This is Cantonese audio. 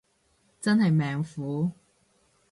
真係命苦